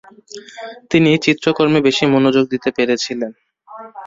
তিনি চিত্র কর্মে বেশি মনোযোগ দিতে পেরেছিলেন।